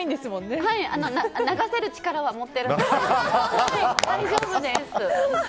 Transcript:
流せる力は持ってるので大丈夫です。